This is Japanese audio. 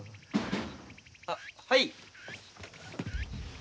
あっはい。